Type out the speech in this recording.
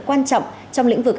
quan trọng trong lĩnh vực